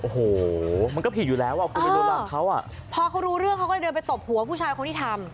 โอ้โหมันก็ผิดอยู่แล้วอ่ะคุณไปดูรังเขาอ่ะพอเขารู้เรื่องเขาก็เลยเดินไปตบหัวผู้ชายคนที่ทำ